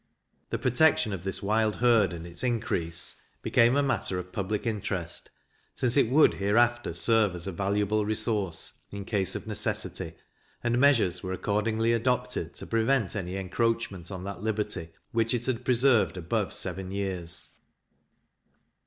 The protection of this wild herd and its increase became a matter of public interest, since it would, hereafter, serve as a valuable resource, in case of necessity; and measures were accordingly adopted to prevent any encroachment on that liberty which it had preserved above seven years.